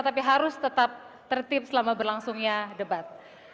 tapi harus tetap tertib selama berlangsungnya debat